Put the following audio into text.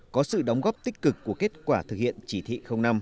có sự đóng góp tích cực của kết quả thực hiện chỉ thị năm